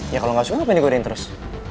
ya kalo gak suka ngapain digodain terus